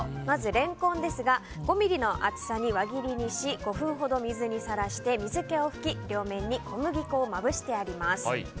まずレンコンですが５ｍｍの厚さに輪切りにし５分ほど水にさらして水けを拭き、両面に小麦粉をまぶしてあります。